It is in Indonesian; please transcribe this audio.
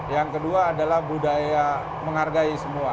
yang kedua adalah budaya menghargai semua